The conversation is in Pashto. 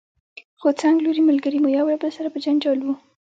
خو څنګلوري ملګري مو یو له بل سره په جنجال وو.